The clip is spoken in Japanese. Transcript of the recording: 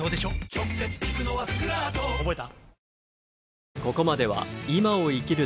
直接効くのはスクラート覚えた？